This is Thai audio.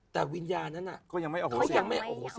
แต่วิญญาณนั้นก็ยังไม่ออกเสียง